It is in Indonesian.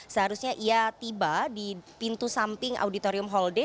seharusnya ia tiba di pintu samping auditorium holde